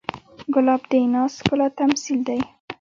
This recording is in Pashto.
ګلاب د ناز ښکلا تمثیل دی.